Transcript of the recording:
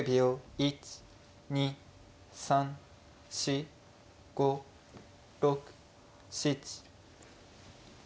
１２３４５６７。